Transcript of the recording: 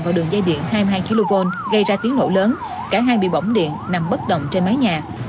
vào đường dây điện hai mươi hai kv gây ra tiếng nổ lớn cả hai bị bỏng điện nằm bất động trên mái nhà